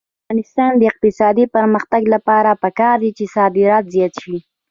د افغانستان د اقتصادي پرمختګ لپاره پکار ده چې صادرات زیات شي.